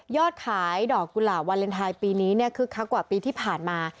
ขายดอกกุหลาบวาเลนไทยปีนี้คึกคักกว่าปีที่ผ่านมา